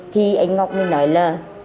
thì anh ngọc mới nói là